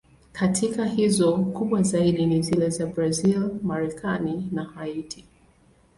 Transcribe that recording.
Katika hizo, kubwa zaidi ni zile za Brazil, Marekani na Haiti.